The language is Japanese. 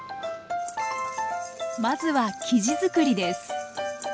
まずは生地づくりです。